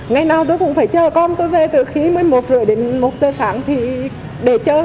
ngày nào tôi cũng phải chờ con tôi về từ khí một mươi một h ba mươi đến một h tháng thì để chờ